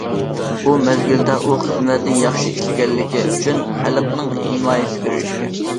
بۇ مەزگىلدە، ئۇ خىزمەتنى ياخشى ئىشلىگەنلىكى ئۈچۈن خەلقنىڭ ھىمايىسىگە ئېرىشكەن.